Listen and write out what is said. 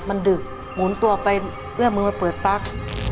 มันดึกหมุนตัวไปเอื้อมือมาเปิดปั๊ก